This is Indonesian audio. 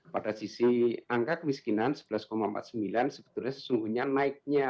pada sisi angka kemiskinan sebelas empat puluh sembilan sebetulnya sesungguhnya naiknya